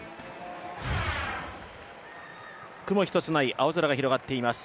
雲一つない青空が広がっています